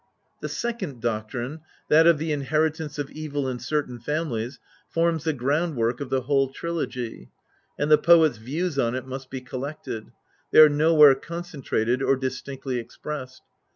{Ag. /. 811.) The second doctrine — that of the inheritance of evil in certain families, forms the groundwork of the whole Trilogy ; and the poet's views on it must be collected: they are nowhere concentrated or dis tinctly expressed.